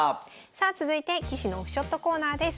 さあ続いて棋士のオフショットコーナーです。